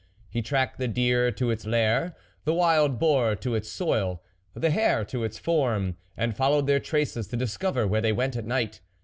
He tracked the deer to its lair, the wild boar to its soil, the hare to its form ; and followed their traces to discover where they went at night.